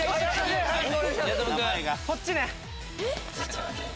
こっちね！